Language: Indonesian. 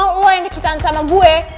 gue kan mau lo yang kesukaan sama gue